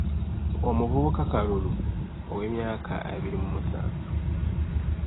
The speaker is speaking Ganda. Omuvubuka Kalulu ow’emyaka abiri mu musanvu